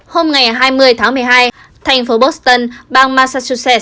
hôm ngày hai mươi tháng một mươi hai thành phố boston bang massasuse